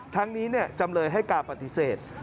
ทั้งนี้จำเลยให้การปฏิเสธ